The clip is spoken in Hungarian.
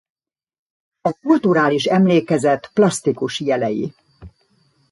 A kulturális emlékezet plasztikus jelei.